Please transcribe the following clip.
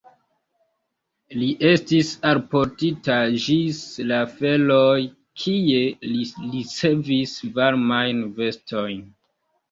Li estis alportita ĝis la Ferooj kie li ricevis varmajn vestojn.